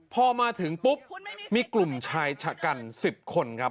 พอมาถึงปุ๊บมีกลุ่มชายชะกัน๑๐คนครับ